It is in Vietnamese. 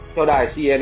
theo đài cnn